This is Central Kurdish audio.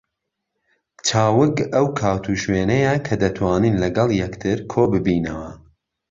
چاوگ ئەو کات و شوێنەیە کە دەتوانین لەگەڵ یەکتر کۆ ببینەوە